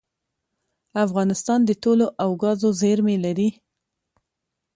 افغانستان د تیلو او ګازو زیرمې لري